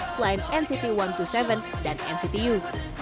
selain nct satu ratus dua puluh tujuh dan nctu